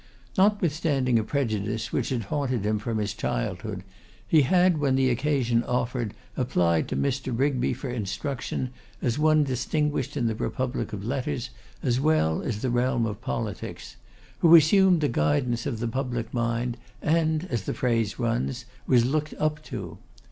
Notwithstanding a prejudice which had haunted him from his childhood, he had, when the occasion offered, applied to Mr. Rigby for instruction, as one distinguished in the republic of letters, as well as the realm of politics; who assumed the guidance of the public mind, and, as the phrase runs, was looked up to.